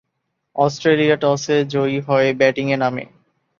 Australia টসে জয়ী হয়ে ব্যাটিংয়ে নামে।